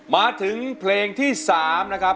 มาถึงเพลงที่๓นะครับ